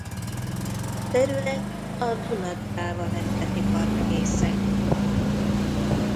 A terület a Duna–Dráva Nemzeti Park része.